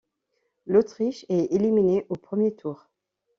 L'Autriche est éliminée au premier tour.